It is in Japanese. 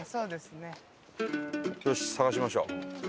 よし探しましょう。